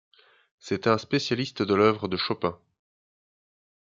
C’était un spécialiste de l’œuvre de Chopin.